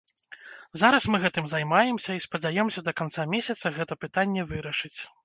Зараз мы гэтым займаемся і спадзяёмся да канца месяца гэта пытанне вырашыць.